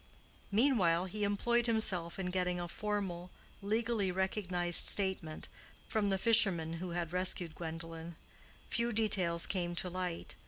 Meanwhile he employed himself in getting a formal, legally recognized statement from the fishermen who had rescued Gwendolen. Few details came to light.